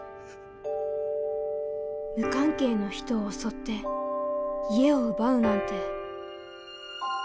無関係の人を襲って家を奪うなんて。